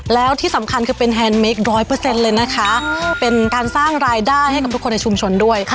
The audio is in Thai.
แล้วที่สำคัญคือเป็นแฮนเมค๑๐๐เลยนะคะเป็นการสร้างรายได้ให้กับทุกคนในชุมชนด้วย